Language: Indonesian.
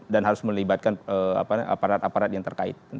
harus melibatkan aparat aparat yang terkait